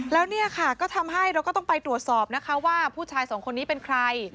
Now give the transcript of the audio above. แล้วเนี่ยค่ะก็ทำให้เราก็ต้องไปตรวจสอบนะคะว่าผู้ชายสองคนนี้เป็นใคร